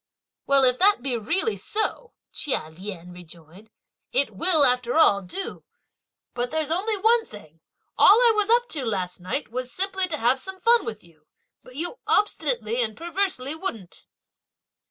"Well if that be really so," Chia Lien rejoined, "it will after all do! But there's only one thing; all I was up to last night was simply to have some fun with you, but you obstinately and perversely wouldn't."